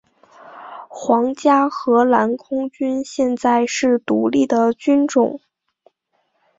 皇家荷兰空军现在是独立的军种。